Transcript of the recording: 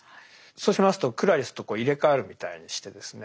そうしますとクラリスと入れ代わるみたいにしてですね